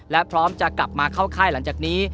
และพร้อมจะกลับมาเข้าค่ายหลังจากนี้